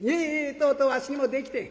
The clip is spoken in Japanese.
とうとうわしにもできてん」。